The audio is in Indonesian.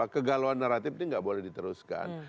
kegalauan naratif ini nggak boleh diteruskan